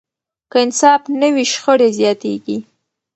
که انصاف نه وي، شخړې زیاتېږي.